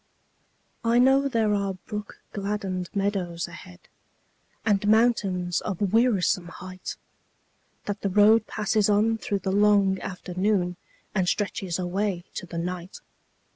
I know there are brook gladdened meadows ahead, And mountains of wearisome height; That the road passes on through the long afternoon And stretches away to the night.